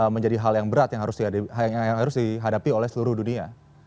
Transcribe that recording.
menjadi hal yang berat yang harus dihadapi oleh seluruh dunia